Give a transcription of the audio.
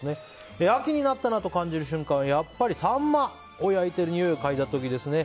秋になったなぁと感じる瞬間はやっぱりサンマを焼いたにおいを嗅いだ時ですね。